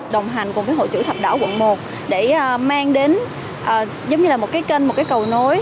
đồng hành cùng với hội chữ thập đỏ quận một để mang đến giống như là một cái kênh một cái cầu nối